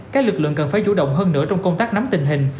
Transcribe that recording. các lực lượng cần phải chủ động hơn nữa trong công tác nắm tình hình